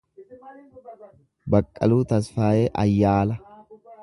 Baqqaaluu Tsafayee Ayyaala